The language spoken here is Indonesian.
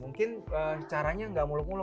mungkin caranya enggak mulu mulu